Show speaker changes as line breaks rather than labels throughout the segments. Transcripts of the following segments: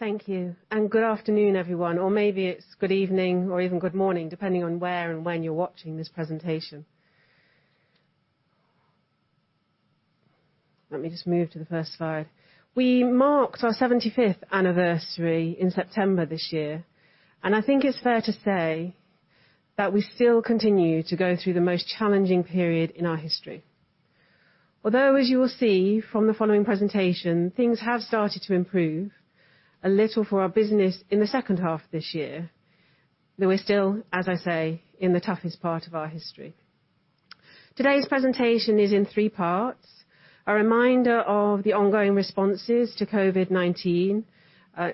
Good afternoon, everyone, or maybe it's good evening, or even good morning, depending on where and when you're watching this presentation. Let me just move to the first slide. We marked our 75th anniversary in September this year, and I think it's fair to say that we still continue to go through the most challenging period in our history. Although, as you will see from the following presentation, things have started to improve a little for our business in the second half of this year. Though we're still, as I say, in the toughest part of our history. Today's presentation is in three parts. A reminder of the ongoing responses to COVID-19,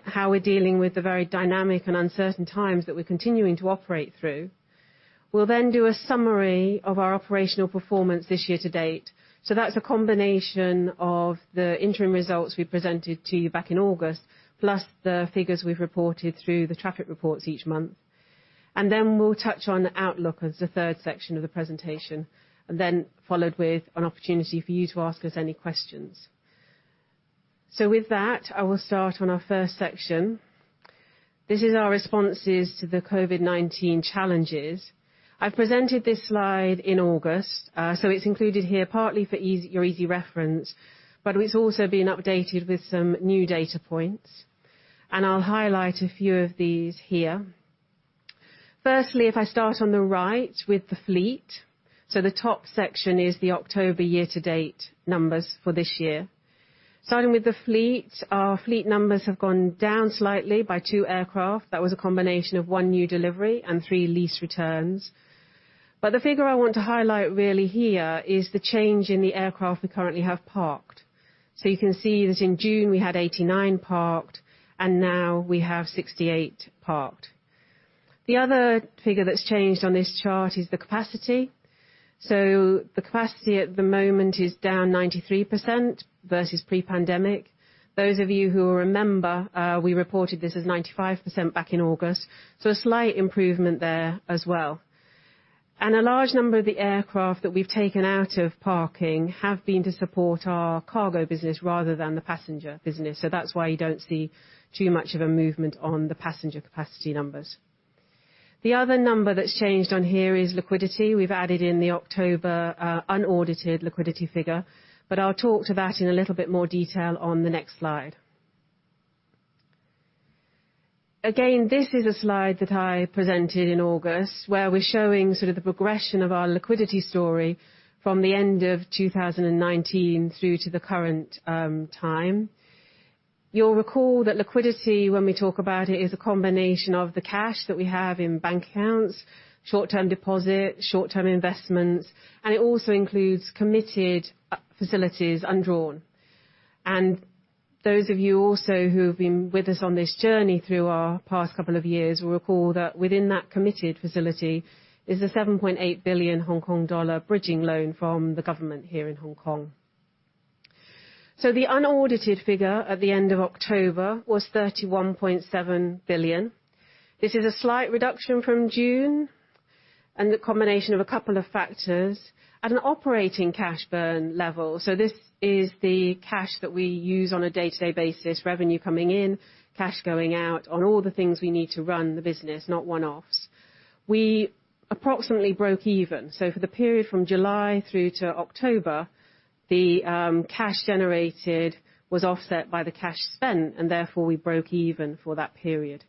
how we're dealing with the very dynamic and uncertain times that we're continuing to operate through. We'll then do a summary of our operational performance this year to date. That's a combination of the interim results we presented to you back in August, plus the figures we've reported through the traffic reports each month. We'll touch on outlook as the third section of the presentation, followed with an opportunity for you to ask us any questions. With that, I will start on our first section. This is our responses to the COVID-19 challenges. I've presented this slide in August. It's included here partly for easy reference, but it's also been updated with some new data points. I'll highlight a few of these here. Firstly, if I start on the right with the fleet. The top section is the October year-to-date numbers for this year. Starting with the fleet, our fleet numbers have gone down slightly by two aircraft. That was a combination of 1 new delivery and 3 lease returns. The figure I want to highlight really here is the change in the aircraft we currently have parked. You can see that in June we had 89 parked, and now we have 68 parked. The other figure that's changed on this chart is the capacity. The capacity at the moment is down 93% versus pre-pandemic. Those of you who remember, we reported this as 95% back in August. A slight improvement there as well. A large number of the aircraft that we've taken out of parking have been to support our cargo business rather than the passenger business. That's why you don't see too much of a movement on the passenger capacity numbers. The other number that's changed on here is liquidity. We've added in the October unaudited liquidity figure, but I'll talk to that in a little bit more detail on the next slide. Again, this is a slide that I presented in August, where we're showing sort of the progression of our liquidity story from the end of 2019 through to the current time. You'll recall that liquidity, when we talk about it, is a combination of the cash that we have in bank accounts, short-term deposits, short-term investments, and it also includes committed facilities undrawn. Those of you also who have been with us on this journey through our past couple of years will recall that within that committed facility is a 7.8 billion Hong Kong dollar bridging loan from the government here in Hong Kong. The unaudited figure at the end of October was 31.7 billion. This is a slight reduction from June, and the combination of a couple of factors at an operating cash burn level. This is the cash that we use on a day-to-day basis, revenue coming in, cash going out, on all the things we need to run the business, not one-offs. We approximately broke even. For the period from July through to October, the cash generated was offset by the cash spent, and therefore we broke even for that period.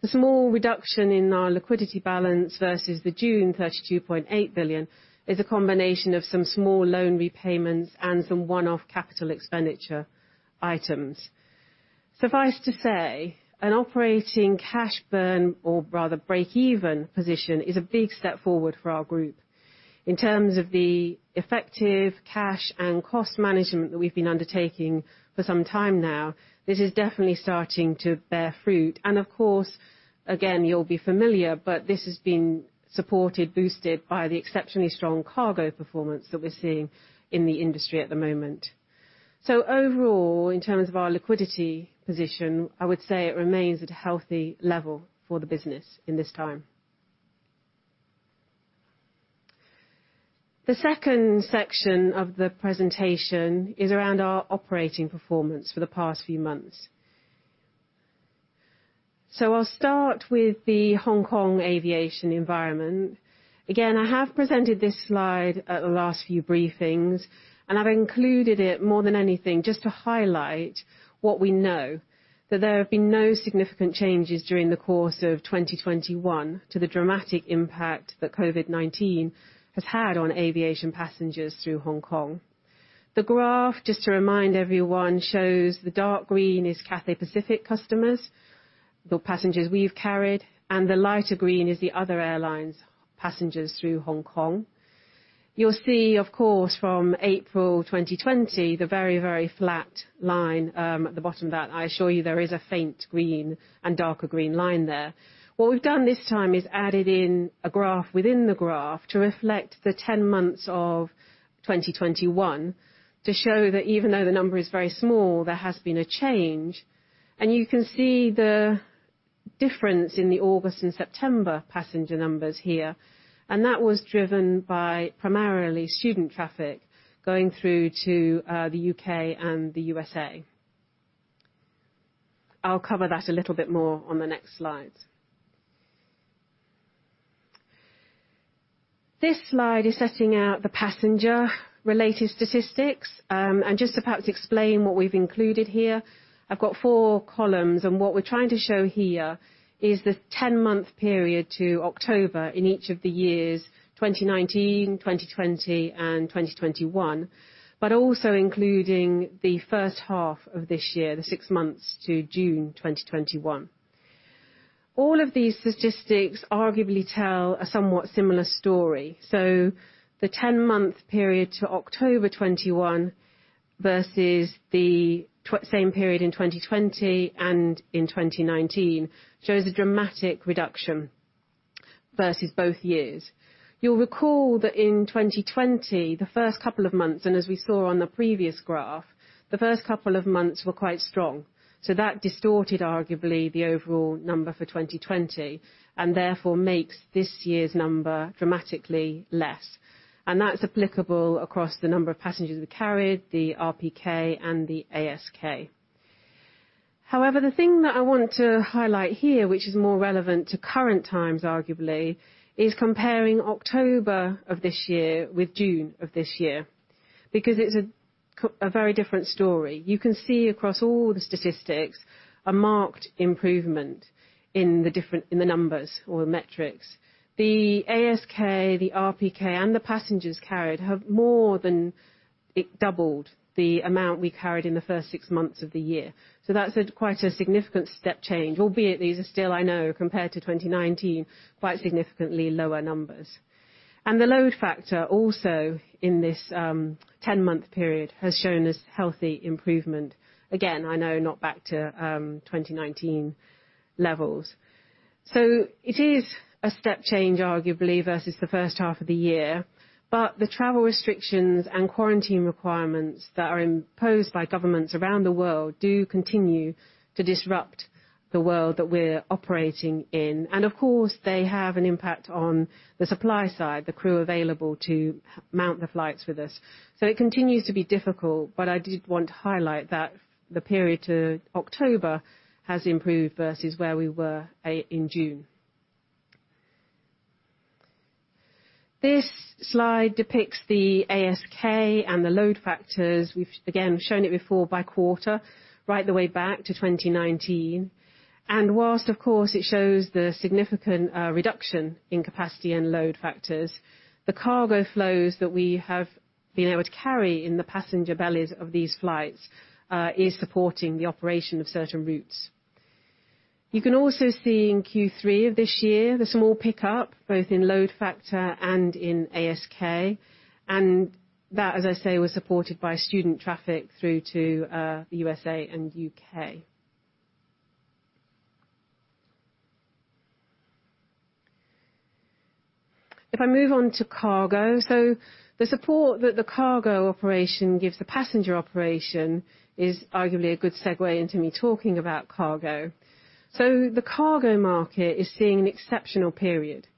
The small reduction in our liquidity balance versus the June 32.8 billion is a combination of some small loan repayments and some one-off capital expenditure items. Suffice to say, an operating cash burn, or rather break-even position, is a big step forward for our group. In terms of the effective cash and cost management that we've been undertaking for some time now, this is definitely starting to bear fruit. Of course, again, you'll be familiar, but this has been supported, boosted by the exceptionally strong cargo performance that we're seeing in the industry at the moment. Overall, in terms of our liquidity position, I would say it remains at a healthy level for the business in this time. The second section of the presentation is around our operating performance for the past few months. I'll start with the Hong Kong aviation environment. Again, I have presented this slide at the last few briefings, and I've included it more than anything just to highlight what we know, that there have been no significant changes during the course of 2021 to the dramatic impact that COVID-19 has had on aviation passengers through Hong Kong. The graph, just to remind everyone, shows the dark green is Cathay Pacific customers, the passengers we've carried, and the lighter green is the other airline's passengers through Hong Kong. You'll see, of course, from April 2020, the very, very flat line at the bottom of that. I assure you, there is a faint green and darker green line there. What we've done this time is added in a graph within the graph to reflect the 10 months of 2021 to show that even though the number is very small, there has been a change. You can see the difference in the August and September passenger numbers here, and that was driven by primarily student traffic going through to the U.K., and the U.S.A. I'll cover that a little bit more on the next slide. This slide is setting out the passenger-related statistics. Just to perhaps explain what we've included here, I've got four columns, and what we're trying to show here is the 10-month period to October in each of the years, 2019, 2020, and 2021, also including the first half of this year, the six months to June 2021. All of these statistics arguably tell a somewhat similar story. The 10-month period to October 2021 versus the same period in 2020 and in 2019 shows a dramatic reduction versus both years. You'll recall that in 2020, the first couple of months, and as we saw on the previous graph, the first couple of months were quite strong, so that distorted arguably the overall number for 2020, and therefore makes this year's number dramatically less. That's applicable across the number of passengers we carried, the RPK, and the ASK. However, the thing that I want to highlight here, which is more relevant to current times, arguably, is comparing October of this year with June of this year because it's a very different story. You can see across all the statistics a marked improvement in the numbers or the metrics. The ASK, the RPK, and the passengers carried have more than doubled the amount we carried in the first 6 months of the year. That's quite a significant step change, albeit these are still, I know, compared to 2019, quite significantly lower numbers. The load factor also in this 10-month period has shown us healthy improvement. Again, I know not back to 2019 levels. It is a step change, arguably, versus the first half of the year, but the travel restrictions and quarantine requirements that are imposed by governments around the world do continue to disrupt the world that we're operating in. Of course, they have an impact on the supply side, the crew available to mount the flights with us. It continues to be difficult, but I did want to highlight that the period to October has improved versus where we were in June. This slide depicts the ASK and the load factors. We've, again, shown it before by quarter, right the way back to 2019. Whilst, of course, it shows the significant reduction in capacity and load factors, the cargo flows that we have been able to carry in the passenger bellies of these flights is supporting the operation of certain routes. You can also see in Q3 of this year, the small pickup, both in load factor and in ASK, and that, as I say, was supported by student traffic through to the U.S.A. and U.K. If I move on to cargo. The support that the cargo operation gives the passenger operation is arguably a good segue into me talking about cargo. The cargo market is seeing an exceptional period.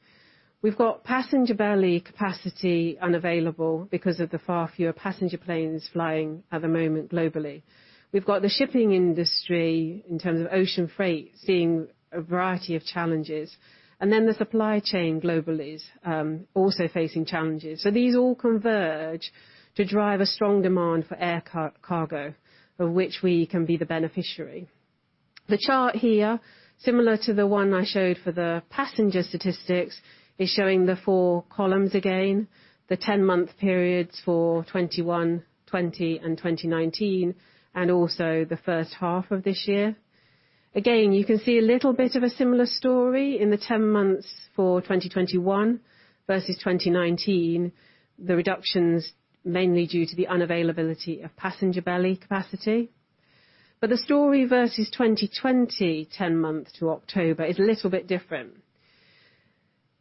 We've got passenger belly capacity unavailable because of the far fewer passenger planes flying at the moment globally. We've got the shipping industry, in terms of ocean freight, seeing a variety of challenges, and then the supply chain globally is also facing challenges. These all converge to drive a strong demand for air cargo, of which we can be the beneficiary. The chart here, similar to the one I showed for the passenger statistics, is showing the four columns again. The 10-month periods for 2021, 2020, and 2019, and also the first half of this year. Again, you can see a little bit of a similar story in the 10 months for 2021 versus 2019. The reductions mainly due to the unavailability of passenger belly capacity. The story versus 2020 10 months to October is a little bit different.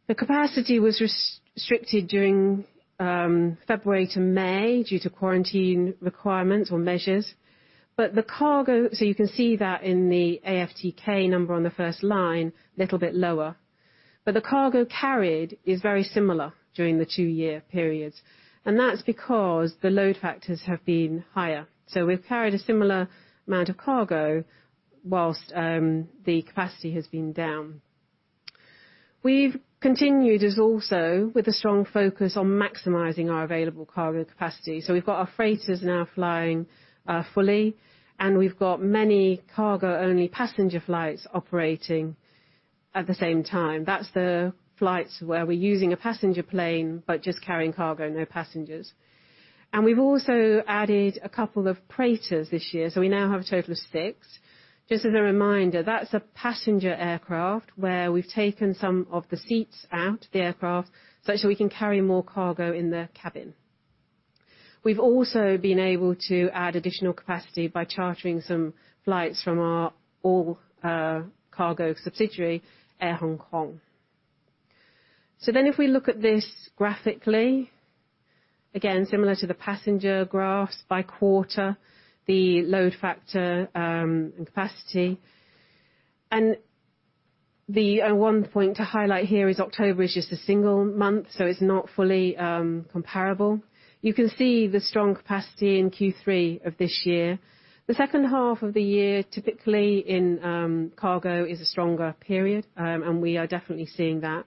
The capacity was restricted during February to May due to quarantine requirements or measures. You can see that in the AFTK number on the first line, little bit lower. The cargo carried is very similar during the 2-year periods, and that's because the load factors have been higher. We've carried a similar amount of cargo whilst the capacity has been down. We've continued as also with a strong focus on maximizing our available cargo capacity. We've got our freighters now flying fully, and we've got many cargo-only passenger flights operating at the same time. That's the flights where we're using a passenger plane, but just carrying cargo, no passengers. We've also added a couple of preighters this year, so we now have a total of 6. Just as a reminder, that's a passenger aircraft where we've taken some of the seats out of the aircraft such that we can carry more cargo in the cabin. We've also been able to add additional capacity by chartering some flights from our all-cargo subsidiary, Air Hong Kong. If we look at this graphically, again, similar to the passenger graphs by quarter, the load factor and capacity. The one point to highlight here is October is just a single month, so it's not fully comparable. You can see the strong capacity in Q3 of this year. The second half of the year, typically in cargo is a stronger period, and we are definitely seeing that.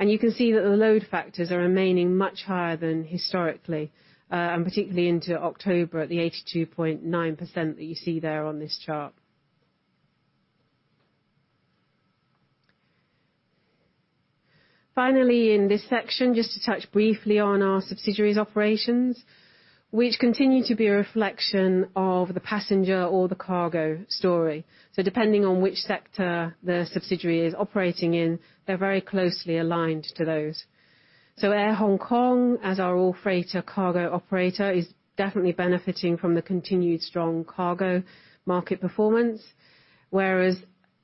You can see that the load factors are remaining much higher than historically, and particularly into October at the 82.9% that you see there on this chart. Finally, in this section, just to touch briefly on our subsidiaries' operations, which continue to be a reflection of the passenger or the cargo story. Depending on which sector the subsidiary is operating in, they're very closely aligned to those. Air Hong Kong, as our all-freighter cargo operator, is definitely benefiting from the continued strong cargo market performance, whereas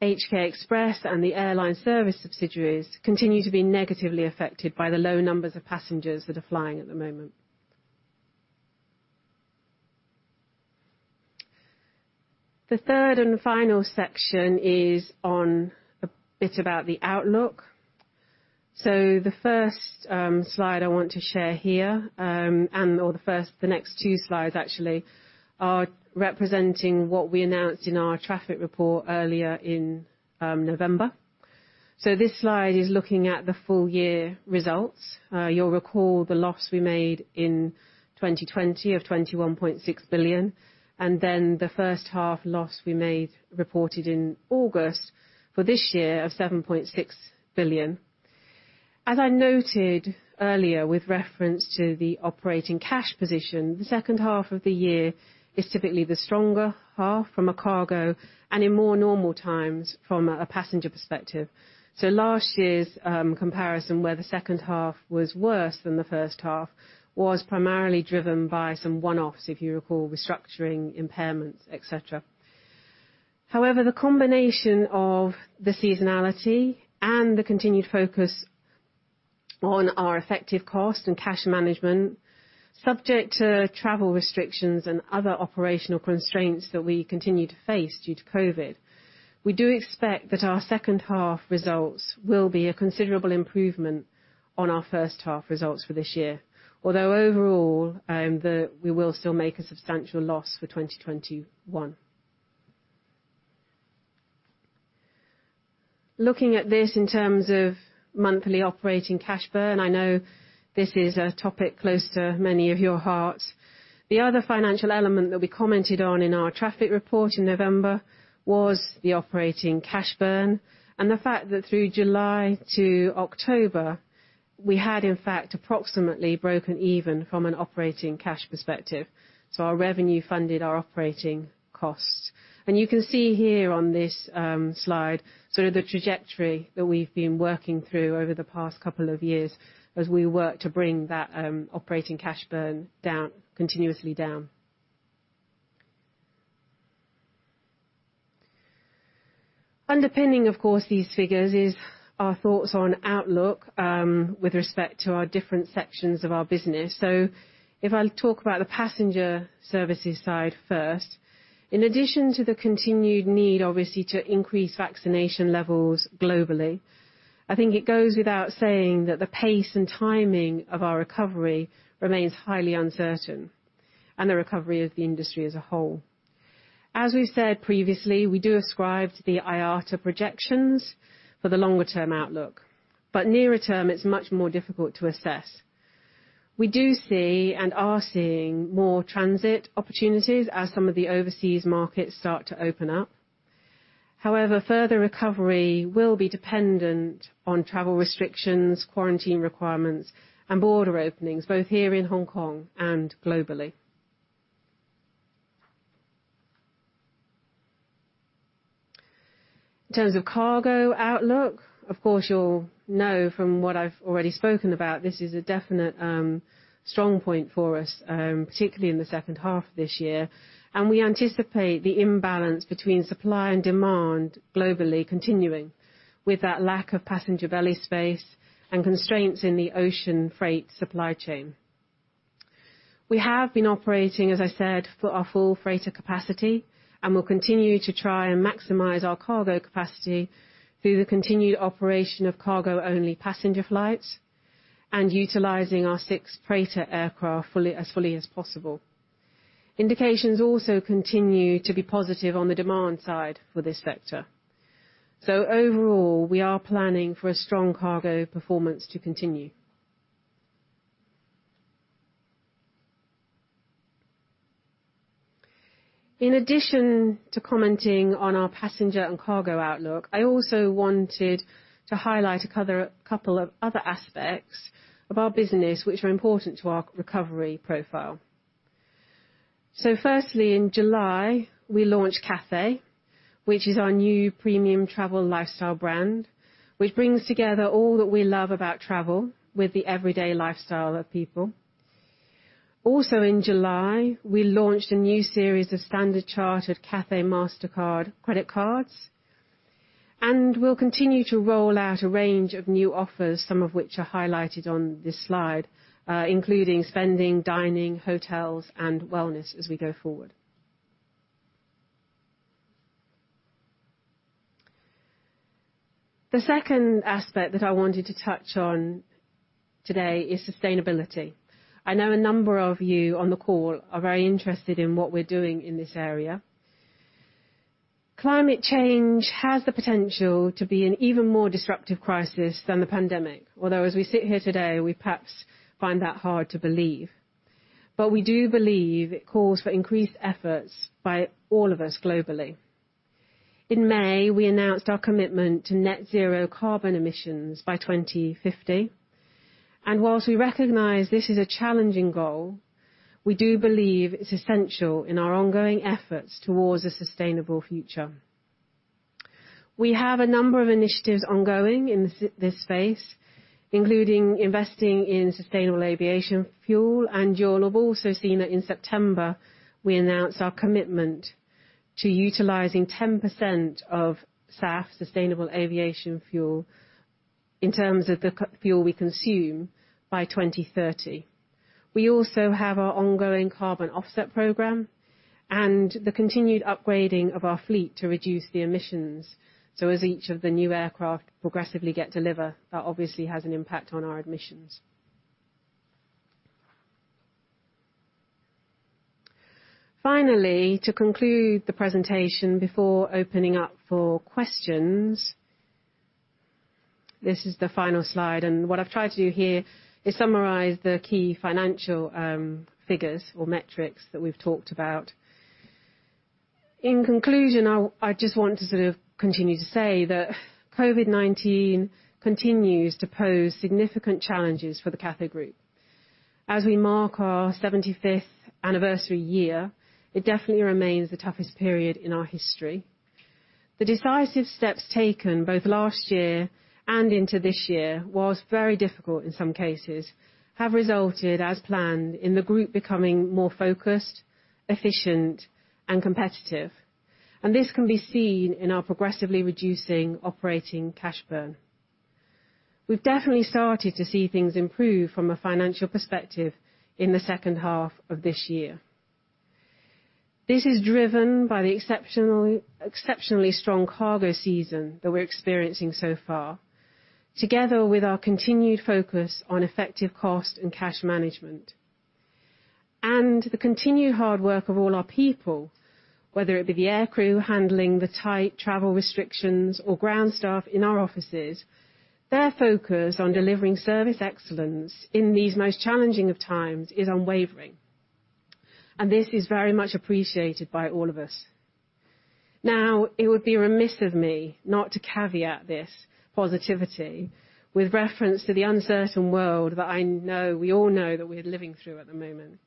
HK Express and the airline service subsidiaries continue to be negatively affected by the low numbers of passengers that are flying at the moment. The third and final section is on a bit about the outlook. The next two slides actually are representing what we announced in our traffic report earlier in November. This slide is looking at the full year results. You'll recall the loss we made in 2020 of 21.6 billion, and then the first half loss we made reported in August for this year of 7.6 billion. As I noted earlier with reference to the operating cash position, the second half of the year is typically the stronger half from a cargo and in more normal times, from a passenger perspective. Last year's comparison, where the second half was worse than the first half, was primarily driven by some one-offs, if you recall, restructuring, impairments, et cetera. However, the combination of the seasonality and the continued focus on our effective cost and cash management, subject to travel restrictions and other operational constraints that we continue to face due to COVID, we do expect that our second half results will be a considerable improvement on our first half results for this year. Although overall, we will still make a substantial loss for 2021. Looking at this in terms of monthly operating cash burn, I know this is a topic close to many of your hearts. The other financial element that we commented on in our traffic report in November was the operating cash burn and the fact that through July to October, we had in fact approximately broken even from an operating cash perspective. Our revenue funded our operating costs. You can see here on this slide sort of the trajectory that we've been working through over the past couple of years as we work to bring that operating cash burn down, continuously down. Underpinning, of course, these figures is our thoughts on outlook with respect to our different sections of our business. If I talk about the passenger services side first, in addition to the continued need, obviously, to increase vaccination levels globally, I think it goes without saying that the pace and timing of our recovery remains highly uncertain and the recovery of the industry as a whole. As we said previously, we do ascribe to the IATA projections for the longer-term outlook, but nearer term, it's much more difficult to assess. We do see and are seeing more transit opportunities as some of the overseas markets start to open up. However, further recovery will be dependent on travel restrictions, quarantine requirements, and border openings, both here in Hong Kong and globally. In terms of cargo outlook, of course, you'll know from what I've already spoken about, this is a definite strong point for us, particularly in the second half of this year. We anticipate the imbalance between supply and demand globally continuing with that lack of passenger belly space and constraints in the ocean freight supply chain. We have been operating, as I said, for our full freighter capacity, and we'll continue to try and maximize our cargo capacity through the continued operation of cargo-only passenger flights and utilizing our 6 preighter aircraft fully, as fully as possible. Indications also continue to be positive on the demand side for this sector. Overall, we are planning for a strong cargo performance to continue. In addition to commenting on our passenger and cargo outlook, I also wanted to highlight a couple of other aspects of our business, which are important to our recovery profile. Firstly, in July, we launched Cathay, which is our new premium travel lifestyle brand, which brings together all that we love about travel with the everyday lifestyle of people. Also in July, we launched a new series of Standard Chartered Cathay Mastercard credit cards, and we'll continue to roll out a range of new offers, some of which are highlighted on this slide, including spending, dining, hotels, and wellness as we go forward. The second aspect that I wanted to touch on today is sustainability. I know a number of you on the call are very interested in what we're doing in this area. Climate change has the potential to be an even more disruptive crisis than the pandemic. Although as we sit here today, we perhaps find that hard to believe. We do believe it calls for increased efforts by all of us globally. In May, we announced our commitment to net-zero carbon emissions by 2050, and while we recognize this is a challenging goal, we do believe it's essential in our ongoing efforts towards a sustainable future. We have a number of initiatives ongoing in this space, including investing in sustainable aviation fuel. You'll have also seen that in September, we announced our commitment to utilizing 10% of SAF, sustainable aviation fuel, in terms of the jet fuel we consume by 2030. We also have our ongoing carbon offset program and the continued upgrading of our fleet to reduce the emissions. As each of the new aircraft progressively get delivered, that obviously has an impact on our emissions. Finally, to conclude the presentation before opening up for questions, this is the final slide, and what I've tried to do here is summarize the key financial figures or metrics that we've talked about. In conclusion, I just want to sort of continue to say that COVID-19 continues to pose significant challenges for the Cathay Group. As we mark our seventy-fifth anniversary year, it definitely remains the toughest period in our history. The decisive steps taken both last year and into this year, while very difficult in some cases, have resulted, as planned, in the group becoming more focused, efficient, and competitive. This can be seen in our progressively reducing operating cash burn. We've definitely started to see things improve from a financial perspective in the second half of this year. This is driven by the exceptionally strong cargo season that we're experiencing so far, together with our continued focus on effective cost and cash management. The continued hard work of all our people, whether it be the air crew handling the tight travel restrictions or ground staff in our offices, their focus on delivering service excellence in these most challenging of times is unwavering, and this is very much appreciated by all of us. Now, it would be remiss of me not to caveat this positivity with reference to the uncertain world that I know, all that we're living through at the moment.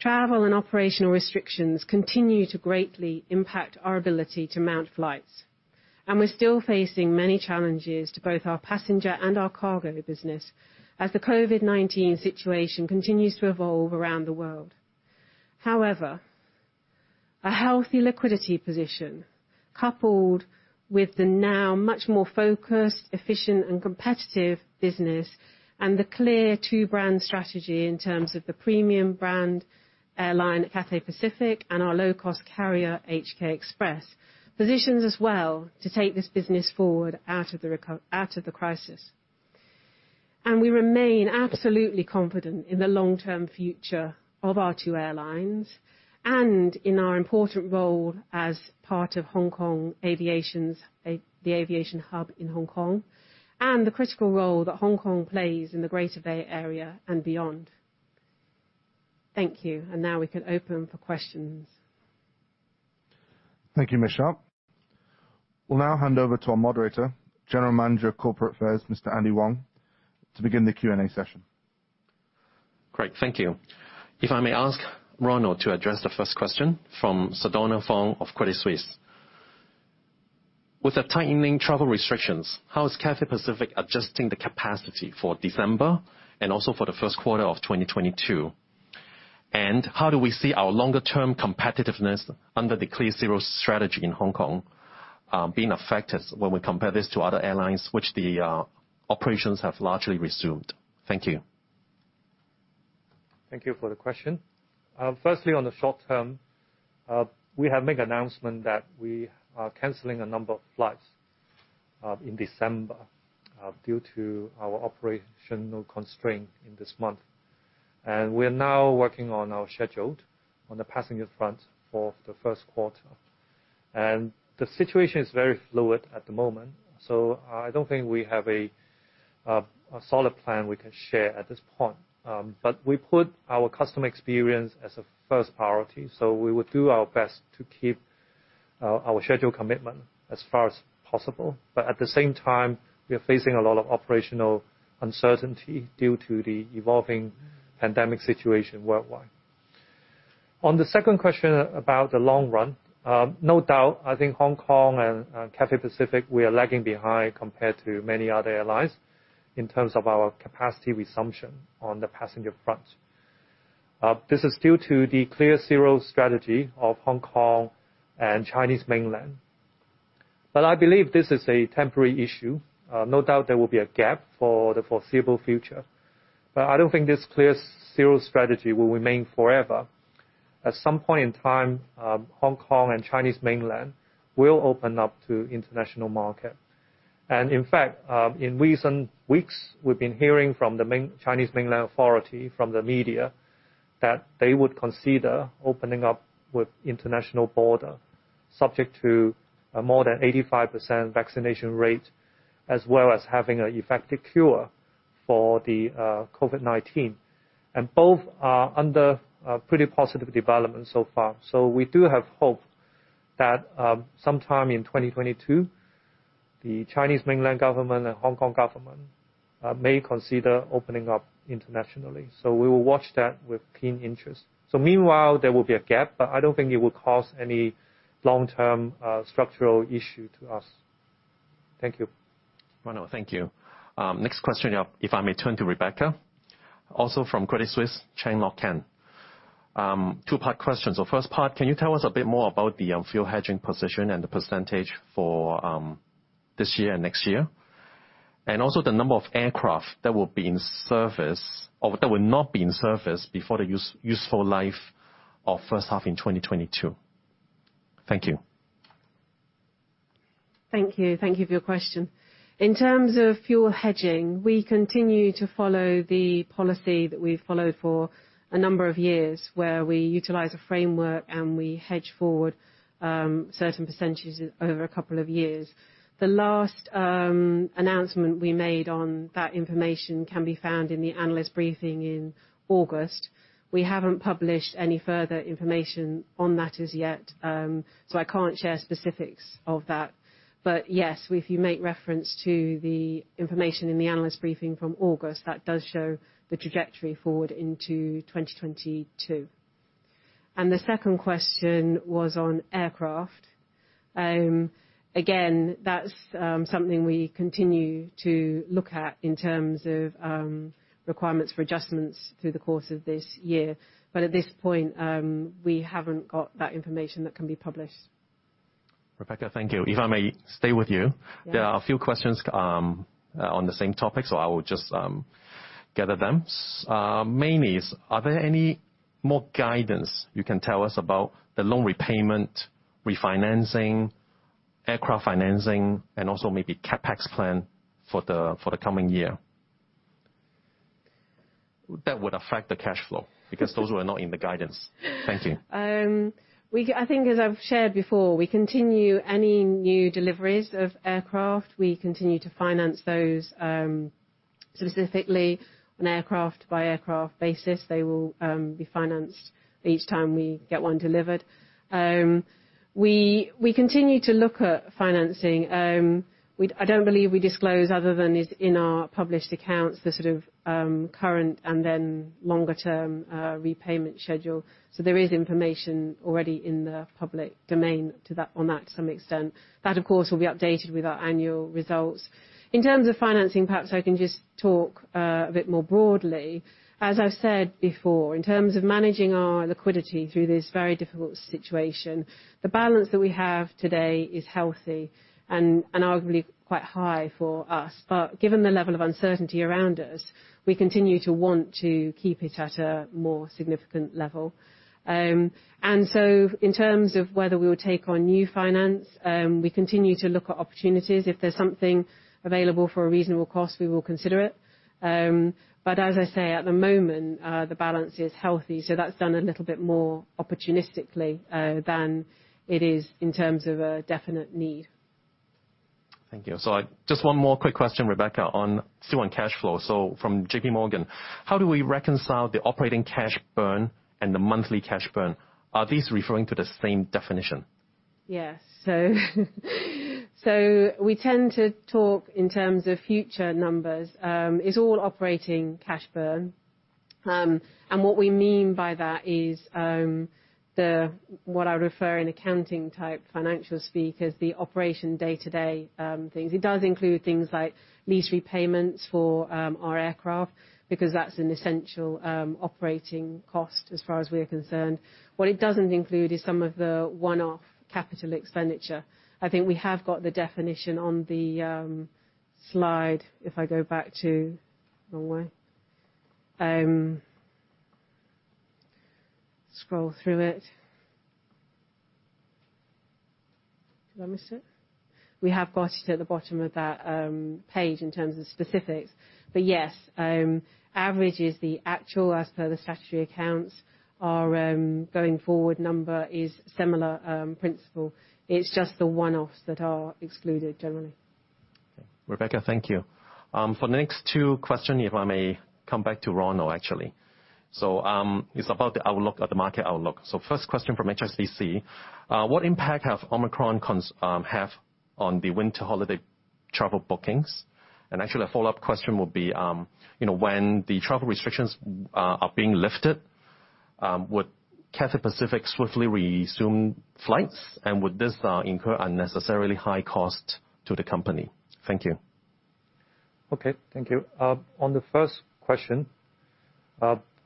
Travel and operational restrictions continue to greatly impact our ability to operate flights, and we're still facing many challenges to both our passenger and our cargo business as the COVID-19 situation continues to evolve around the world. However, a healthy liquidity position, coupled with the now much more focused, efficient, and competitive business, and the clear two-brand strategy in terms of the premium brand airline, Cathay Pacific, and our low-cost carrier, HK Express, positions us well to take this business forward out of the crisis. We remain absolutely confident in the long-term future of our two airlines and in our important role as part of Hong Kong's aviation, the aviation hub in Hong Kong, and the critical role that Hong Kong plays in the Greater Bay Area and beyond. Thank you. Now we can open for questions.
Great, thank you. If I may ask Ronald to address the first question from Sardonna Fong of Credit Suisse. With the tightening travel restrictions, how is Cathay Pacific adjusting the capacity for December and also for the Q1 of 2022? how do we view our long-term competitiveness under the zero COVID strategy in Hong Kong being affected when we compare this to other airlines whose operations have largely resumed. Thank you.
Thank you for the question. Firstly, on the short term, we have made announcement that we are canceling a number of flights in December due to our operational constraint in this month. We're now working on our schedule on the passenger front for the Q1. The situation is very fluid at the moment, so I don't think we have a solid plan we can share at this point. We put our customer experience as a top priority, so we will do our best to keep our schedule commitment as far as possible. At the same time, we are facing a lot of operational uncertainty due to the evolving pandemic situation worldwide. On the second question about the long term, no doubt, I think Hong Kong and Cathay Pacific, we are lagging behind compared to many other airlines in terms of our capacity resumption on the passenger front. This is due to the zero COVID strategy of Hong Kong and Chinese mainland. I believe this is a temporary issue. No doubt there will be a gap for the foreseeable future, but I don't think this zero COVID strategy will remain forever. At some point in time, Hong Kong and Chinese mainland will open up to international market. In fact, in recent weeks, we've been hearing from the Chinese mainland authority from the media that they would consider opening up with international border, subject to a more than 85% vaccination rate, as well as having an effective cure for the COVID-19. Both are progressing positively. We do have hope that sometime in 2022, the Chinese mainland government and Hong Kong government may consider opening up internationally. We will watch that with keen interest. Meanwhile, there will be a gap, but I don't think it will cause any long-term structural issue to us. Thank you.
Ronald, thank you. Next question, if I may turn to Rebecca. Also from Credit Suisse, Lok Kan Chan. Two-part question. First part, can you tell us a bit more about the fuel hedging position and the percentage for this year and next year? And also the number of aircraft that will be in service or that will not be in service before the useful life of first half in 2022. Thank you.
Thank you for your question. In terms of fuel hedging, we continue to follow the policy that we've followed for a number of years, where we utilize a framework and we hedge forward certain percentages over a couple of years. The last announcement we made on that information can be found in the analyst briefing in August. We haven't published any further information on that as yet, so I can't share specifics of that. But yes, if you make reference to the information in the analyst briefing from August, that does show the trajectory forward into 2022. The second question was on aircraft. Again, that's something we continue to look at in terms of requirements for adjustments through the course of this year. But at this point, we haven't got that information that can be published.
Rebecca, thank you. If I may stay with you.
Yeah.
There are a few questions on the same topic, so I will just gather them. Main is, are there any more guidance you can tell us about the loan repayment, refinancing, aircraft financing, and also maybe CapEx plan for the coming year? That would affect the cash flow, because those were not in the guidance. Thank you.
I think as I've shared before, we continue to take any new deliveries of aircraft. We continue to finance those, specifically on an aircraft-by-aircraft basis. They will be financed each time we get one delivered. We continue to look at financing. I don't believe we disclose, other than what is in our published accounts, the sort of current and then longer-term repayment schedule. There is information already in the public domain on that to some extent. That, of course, will be updated with our annual results. In terms of financing, perhaps I can just talk a bit more broadly. As I've said before, in terms of managing our liquidity through this very difficult situation, the balance that we have today is healthy and arguably quite high for us. Given the level of uncertainty around us, we continue to want to keep it at a more significant level. In terms of whether we will take on new financing, we continue to look at opportunities. If there's something available for a reasonable cost, we will consider it. As I say, at the moment, the balance is healthy, so that's done a little bit more opportunistically than it is in terms of a definite need.
Thank you. Just one more quick question, Rebecca, still on cash flow. From JP Morgan, how do we reconcile the operating cash burn and the monthly cash burn? Are these referring to the same definition?
Yes. We tend to talk in terms of future numbers. It's all operating cash burn. What we mean by that is the what I refer in accounting-type financial speak as the operational day-to-day things. It does include things like lease repayments for our aircraft, because that's an essential operating cost as far as we are concerned. What it doesn't include is some of the one-off capital expenditure. I think we have got the definition on the slide, if I go back to. Wrong way. Scroll through it. Did I miss it? We have got it at the bottom of that page in terms of specifics. Yes, average is the actual as per the statutory accounts. Our going forward number is similar principle. It's just the one-offs that are excluded generally.
Okay. Rebecca, thank you. For next two questions, if I may come back to Ronald actually. It's about the outlook of the market outlook. First question from HSBC. What impact have Omicron concerns had on the winter holiday travel bookings? And actually a follow-up question would be, when the travel restrictions are being lifted, would Cathay Pacific swiftly resume flights, and would this incur unnecessarily high costs to the company? Thank you.
Okay, thank you. On the first question,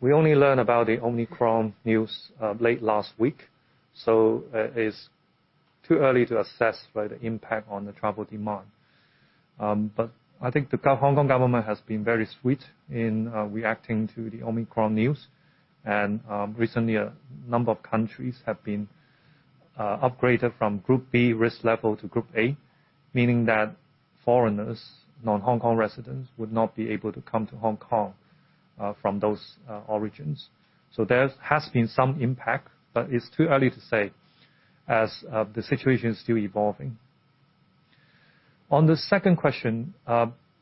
we only learn about the Omicron news late last week, so it is too early to assess the impact on the travel demand. I think the Hong Kong government has been very swift in reacting to the Omicron news. Recently a number of countries have been upgraded from group B risk level to group A, meaning that foreigners, non-Hong Kong residents, would not be able to come to Hong Kong from those origins. There has been some impact, but it's too early to say, as the situation is still evolving. On the second question,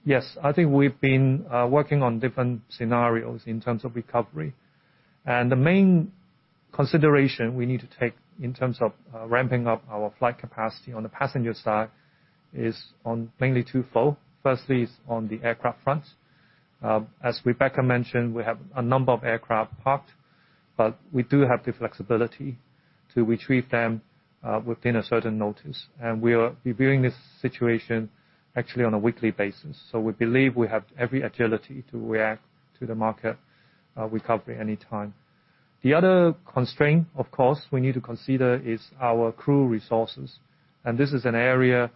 yes, I think we've been working on different scenarios in terms of recovery. The main consideration we need to take in terms of ramping up our flight capacity on the passenger side is on mainly two fold. Firstly is on the aircraft front. As Rebecca mentioned, we have a number of aircraft parked, but we do have the flexibility to retrieve them within a certain notice. We are reviewing this situation actually on a weekly basis. We believe we have every agility to react to the market recovery any time. The other constraint, of course, we need to consider is our crew resources. This is an area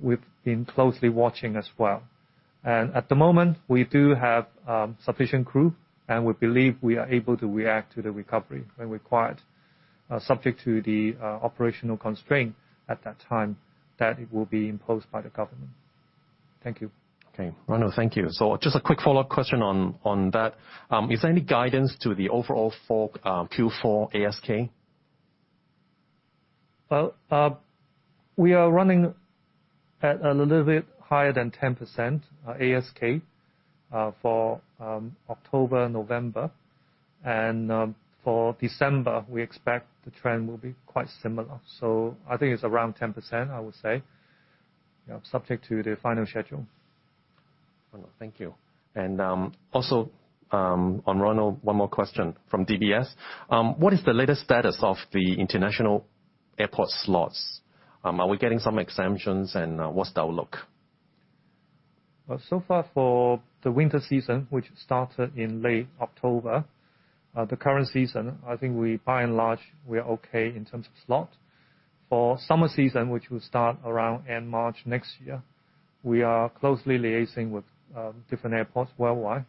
we've been closely watching as well. At the moment, we do have sufficient crew, and we believe we are able to react to the recovery when required, subject to the operational constraint at that time that it will be imposed by the government. Thank you.
Okay. Ronald, thank you. Just a quick follow-up question on that. Is there any guidance to the overall for Q4 ASK?
Well, we are running at a little bit higher than 10% ASK for October, November. For December, we expect the trend will be quite similar. I think it's around 10%, I would say, subject to the final schedule.
Ronald, thank you. Also, on Ronald, one more question from DBS. What is the latest status of the international airport slots? Are we getting some exemptions? What's the outlook?
So far for the winter season, which started in late October, the current season, I think by and large we are okay in terms of slot. For summer season, which will start around end March next year, we are closely liaising with different airports worldwide.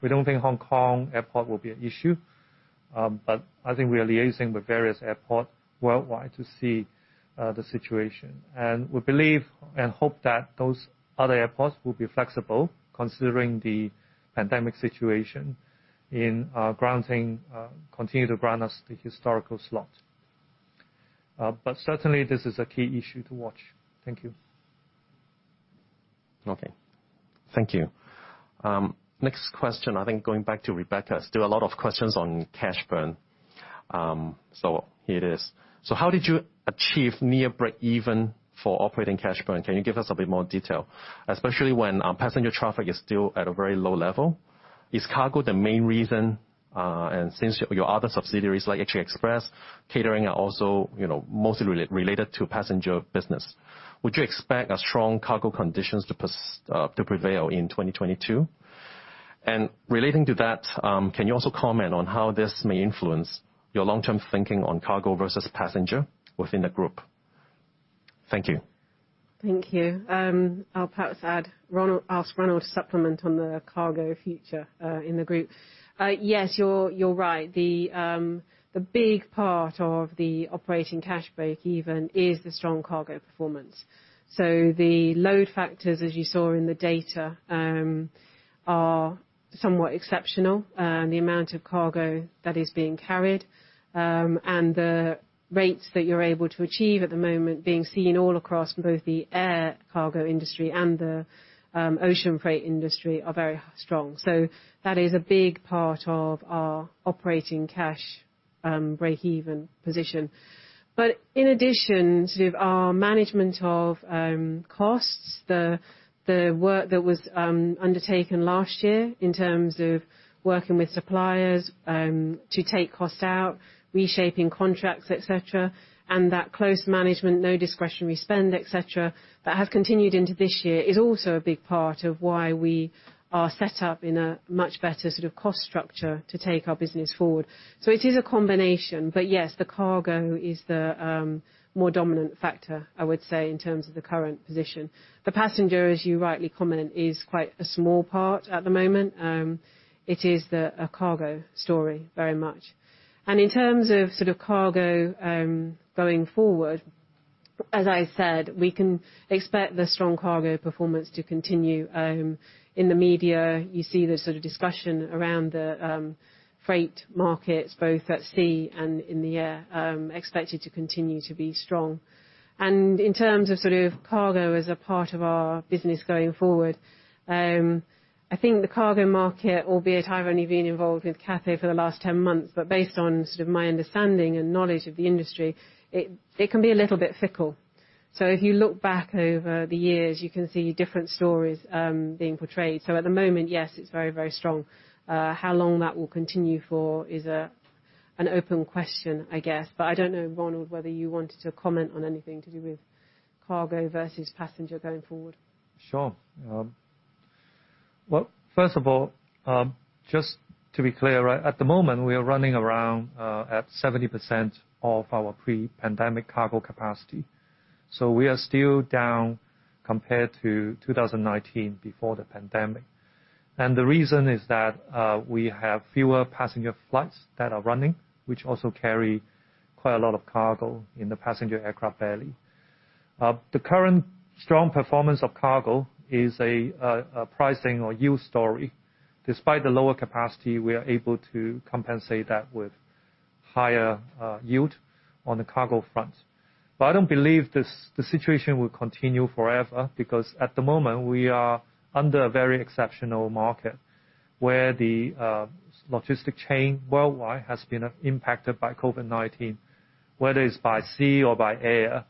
We don't think Hong Kong airport will be an issue. I think we are liaising with various airports worldwide to see the situation. We believe and hope that those other airports will be flexible considering the pandemic situation in continuing to grant us the historical slot. Certainly this is a key issue to watch. Thank you.
Okay. Thank you. Next question, I think going back to Rebecca. Still a lot of questions on cash burn. Here it is. How did you achieve near breakeven for operating cash burn? Can you give us a bit more detail, especially when passenger traffic is still at a very low level? Is cargo the main reason, and since your other subsidiaries like HK Express, catering are also, mostly related to passenger business. Would you expect strong cargo conditions to prevail in 2022? Relating to that, can you also comment on how this may influence your long-term thinking on cargo versus passenger within the group? Thank you.
Thank you. I'll perhaps ask Ronald Lam to supplement on the cargo future in the group. Yes, you're right. The big part of the operating cash breakeven is the strong cargo performance. The load factors, as you saw in the data, are somewhat exceptional, and the amount of cargo that is being carried, and the rates that you're able to achieve at the moment being seen all across both the air cargo industry and the ocean freight industry are very strong. That is a big part of our operating cash breakeven position. In addition to our management of costs, the work that was undertaken last year in terms of working with suppliers to take costs out, reshaping contracts, et cetera, and that close management, no discretionary spend, et cetera, that have continued into this year, is also a big part of why we are set up in a much better sort of cost structure to take our business forward. It is a combination. Yes, the cargo is the more dominant factor, I would say, in terms of the current position. The passenger, as you rightly commented, is quite a small part at the moment. It is the cargo story very much. In terms of sort of cargo going forward. As I said, we can expect the strong cargo performance to continue. In the media, you see the sort of discussion around the freight markets, both at sea and in the air, expected to continue to be strong. In terms of sort of cargo as a part of our business going forward, I think the cargo market, albeit I've only been involved with Cathay for the last 10 months, but based on sort of my understanding and knowledge of the industry, it can be a little bit fickle. If you look back over the years, you can see different stories being portrayed. At the moment, yes, it's very, very strong. How long that will continue for is an open question, I guess. I don't know, Ronald, whether you wanted to comment on anything to do with cargo versus passenger going forward.
Sure. Well, first of all, just to be clear, right? At the moment, we are running around at 70% of our pre-pandemic cargo capacity. We are still down compared to 2019, before the pandemic. The reason is that we have fewer passenger flights that are running, which also carry quite a lot of cargo in the passenger aircraft belly. The current strong performance of cargo is a pricing or yield story. Despite the lower capacity, we are able to compensate that with higher yield on the cargo front. I don't believe the situation will continue forever, because at the moment, we are under a very exceptional market, where the logistics chain worldwide has been impacted by COVID-19, whether it's by sea or by air,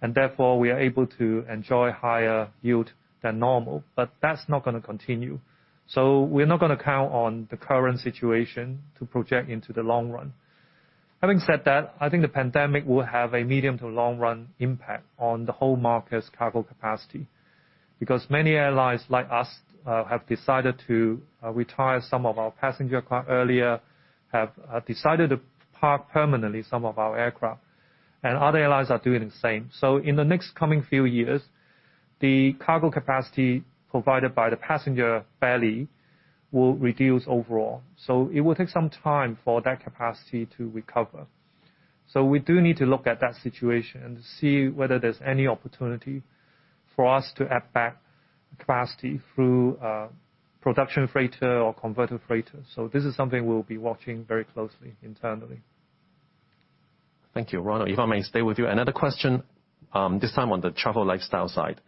and therefore we are able to enjoy higher yield than normal. That's not going to continue, so we're not going to count on the current situation to project into the long term. Having said that, I think the pandemic will have a medium to long term impact on the whole market's cargo capacity, because many airlines like us have decided to retire some of our passenger aircraft earlier, have decided to park permanently some of our aircraft, and other airlines are doing the same. In the next coming few years, the cargo capacity provided by the passenger belly will reduce overall, so it will take some time for that capacity to recover. We do need to look at that situation and see whether there's any opportunity for us to add back capacity through production freighter or converted freighter. This is something we'll be watching very closely internally.
Thank you. Ronald, if I may stay with you, another question, this time on the travel lifestyle side.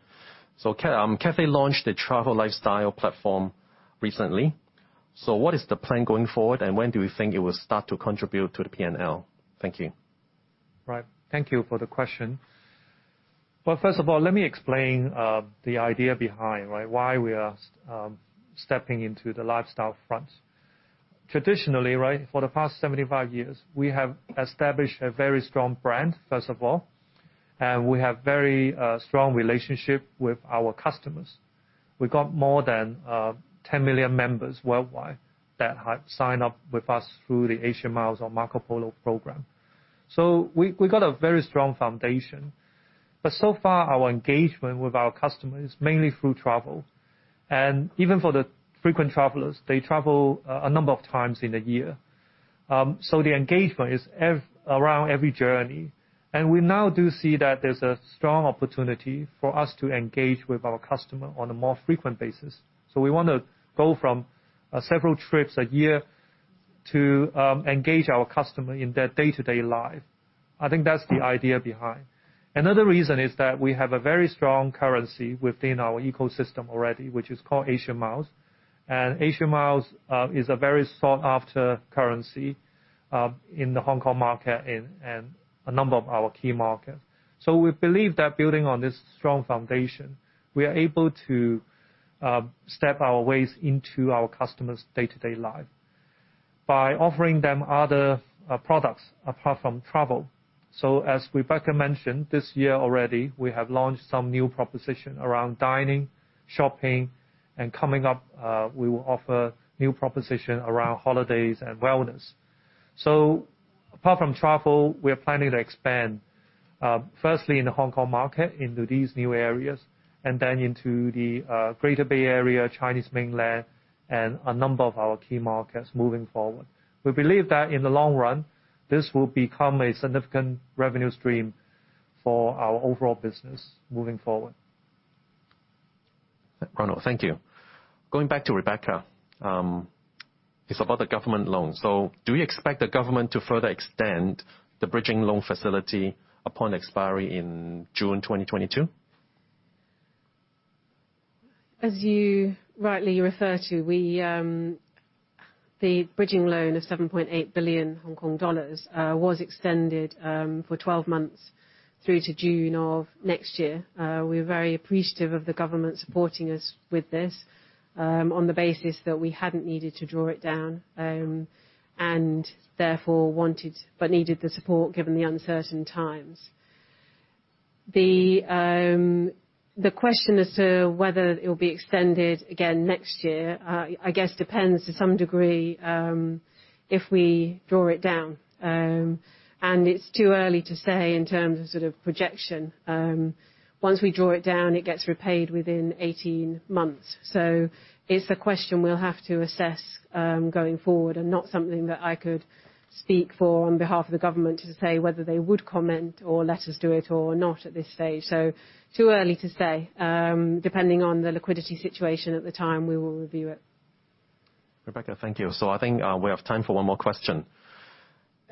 Cathay launched the travel lifestyle platform recently. What is the plan going forward, and when do you think it will start to contribute to the PNL? Thank you.
Right. Thank you for the question. Well, first of all, let me explain the idea behind, right, why we are stepping into the lifestyle front. Traditionally, right, for the past 75 years, we have established a very strong brand, first of all, and we have very strong relationship with our customers. We've got more than 10 million members worldwide that have signed up with us through the Asia Miles or Marco Polo Club. We've got a very strong foundation. So far, our engagement with our customers is mainly through travel. Even for the frequent travelers, they travel a number of times in a year, so the engagement is around every journey. We now do see that there's a strong opportunity for us to engage with our customer on a more frequent basis. We want to go from several trips a year to engage our customer in their day-to-day life. I think that's the idea behind. Another reason is that we have a very strong currency within our ecosystem already, which is called Asia Miles. Asia Miles is a very sought-after currency in the Hong Kong market and a number of our key markets. We believe that building on this strong foundation, we are able to expand into our customers' day-to-day life by offering them other products apart from travel. As Rebecca mentioned, this year already, we have launched some new proposition around dining, shopping, and coming up, we will offer new proposition around holidays and wellness. Apart from travel, we are planning to expand, firstly in the Hong Kong market into these new areas, and then into the Greater Bay Area, Chinese mainland, and a number of our key markets moving forward. We believe that in the long term, this will become a significant revenue stream for our overall business moving forward.
Ronald, thank you. Going back to Rebecca, it's about the government loans. Do you expect the government to further extend the bridging loan facility upon expiry in June 2022?
As you rightly refer to, we, the bridging loan of 7.8 billion Hong Kong dollars was extended for 12 months through to June of next year. We're very appreciative of the government supporting us with this on the basis that we hadn't needed to draw it down and therefore did not require drawdown but retained access to support given the uncertain times. The question as to whether it'll be extended again next year I guess depends to some degree if we draw it down. And it's too early to say in terms of sort of projection. Once we draw it down, it gets repaid within 18 months. It's a question we'll have to assess going forward and not something that I could speak for on behalf of the government to say whether they would comment or let us do it or not at this stage. Too early to say. Depending on the liquidity situation at the time, we will review it.
Rebecca, thank you. I think we have time for one more question.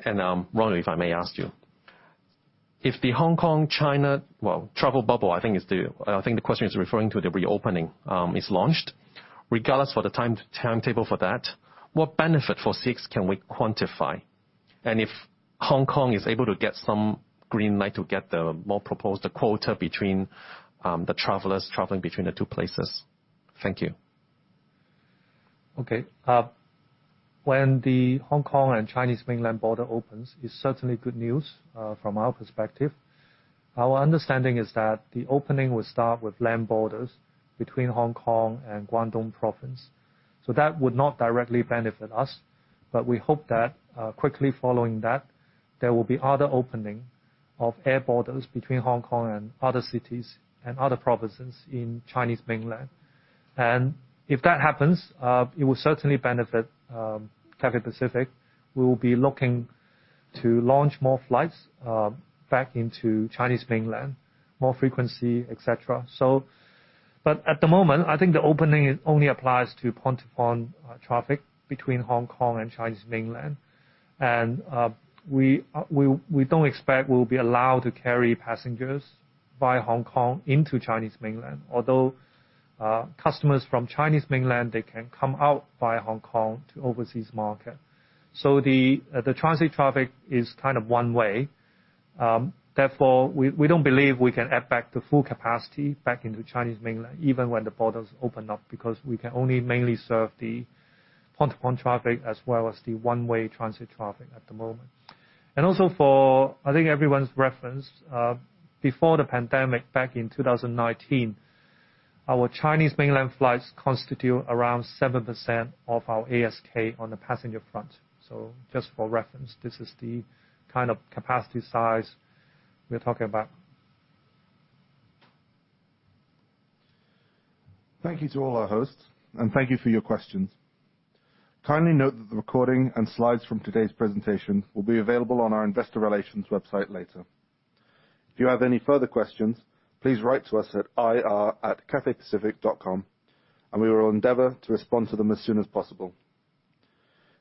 Ronald, if I may ask you. I think the question is referring to the reopening is launched, regardless for the time, timetable for that, what benefit for six can we quantify? If Hong Kong is able to get some green light to get the more proposed quota between the travelers traveling between the two places. Thank you.
Okay. When the Hong Kong and Chinese mainland border opens is certainly good news from our perspective. Our understanding is that the opening will start with land borders between Hong Kong and Guangdong Province. That would not directly benefit us, but we hope that, quickly following that, there will be other opening of air borders between Hong Kong and other cities and other provinces in Chinese mainland. If that happens, it will certainly benefit Cathay Pacific. We will be looking to launch more flights back into Chinese mainland, more frequency, et cetera. At the moment, I think the opening only applies to point-to-point traffic between Hong Kong and Chinese mainland. We don't expect we'll be allowed to carry passengers by Hong Kong into Chinese mainland, although customers from Chinese mainland, they can come out via Hong Kong to overseas market. The transit traffic is primarily one way, therefore we don't believe we can add back the full capacity back into Chinese mainland, even when the borders open up, because we can only mainly serve the point-to-point traffic as well as the one-way transit traffic at the moment. Also for, I think everyone's reference, before the pandemic back in 2019, our Chinese mainland flights constitute around 7% of our ASK on the passenger front. Just for reference, this reflects the approximate capacity scale
Thank you to all our hosts and thank you for your questions. Kindly note that the recording and slides from today's presentation will be available on our investor relations website later. If you have any further questions, please write to us at ir@cathaypacific.com, and we will endeavor to respond to them as soon as possible.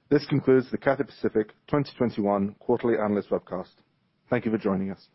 This concludes the Cathay Pacific 2021 quarterly analyst webcast. Thank you for joining us.